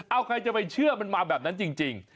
เอาใครจะไปเชื่อมันมาแบบนั้นจริง